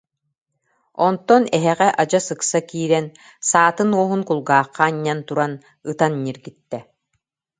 Онтон эһэҕэ адьас ыкса киирэн, саатын уоһун кулгаахха анньан туран ытан ньиргиттэ